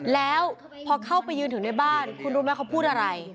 แล้วพอเข้าไปยืนถึงในบ้านคุณรู้ไหมเขาพูดอะไร